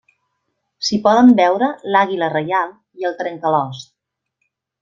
S'hi poden veure l'àguila reial i el trencalòs.